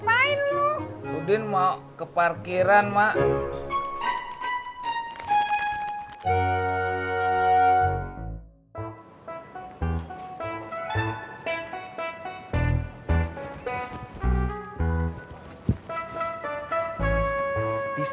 kalau di sekeliling mana benda yang bagus